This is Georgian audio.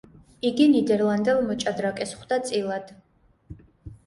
იგი ნიდერლანდელ მოჭადრაკეს ხვდა წილად.